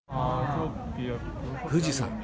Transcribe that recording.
富士山。